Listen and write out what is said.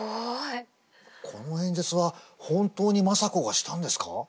この演説は本当に政子がしたんですか？